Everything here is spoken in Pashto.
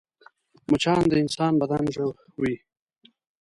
مچان د انسان بدن ژوي